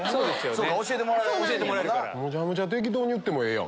めちゃめちゃ適当に言ってもええやん。